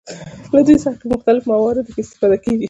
له دوی څخه په مختلفو مواردو کې استفاده کیږي.